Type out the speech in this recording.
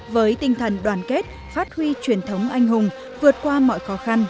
với tinh thần đoàn kết phát huy truyền thống anh hùng vượt qua mọi khó khăn